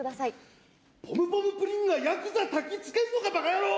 「ポムポムプリンがヤクザたきつけんのかバカヤロー‼」。